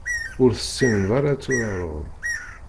Ur tessineḍ ara ad turareḍ.